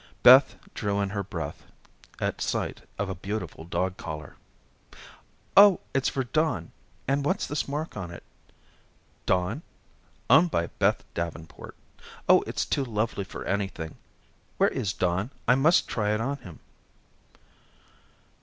Beth drew in her breath at sight of a beautiful dog collar. "Oh, it's for Don, and what's this mark on it? 'Don. Owned by Beth Davenport.' Oh, it's too lovely for anything. Where is Don? I must try it on him."